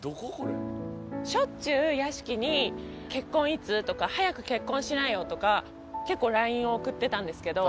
しょっちゅう屋敷に「結婚いつ？」とか「早く結婚しなよ」とか結構ＬＩＮＥを送ってたんですけど。